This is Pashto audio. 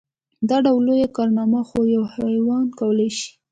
دا ډول لويه کارنامه خو يو حيوان کولی شي.